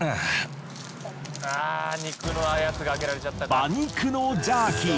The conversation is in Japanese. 馬肉のジャーキー。